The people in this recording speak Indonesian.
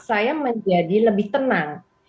saya menjadi lebih tenang